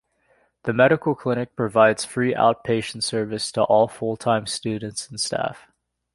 The medical clinic provides free outpatient service to all full-time students and staff.